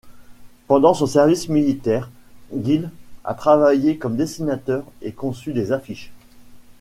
Pendant son service militaire, Gill a travaillé comme dessinateur et conçu des affiches.